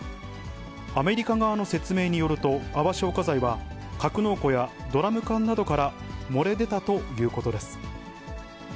アメリカ側の説明によると、泡消火剤は、格納庫やドラム缶などから漏れ出たということです。